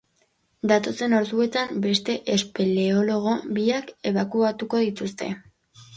Datozen orduetan beste espeleologo biak ebakuatuko dituzte.